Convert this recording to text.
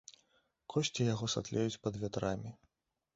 Косці яго сатлеюць пад вятрамі.